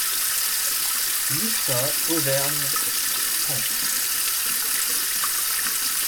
Lussat Auvergne, France.